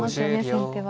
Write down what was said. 先手は。